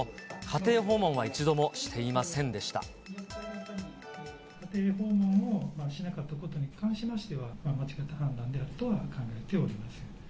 家庭訪問はしなかったことに関しましては、間違った判断であると考えております。